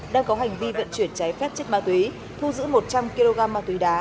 đang có hành vi vận chuyển cháy phép chất ma túy thu giữ một trăm linh kg ma túy đá